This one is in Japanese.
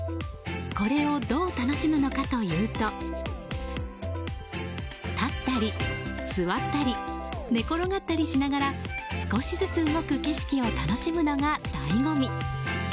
これをどう楽しむのかというと立ったり座ったり寝転がったりしながら少しずつ動く景色を楽しむのが醍醐味。